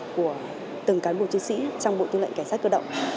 của từng cán bộ chiến sĩ trong bộ tư lệnh cảnh sát cơ động